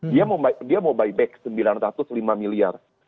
dia mau buy back rp sembilan ratus lima miliar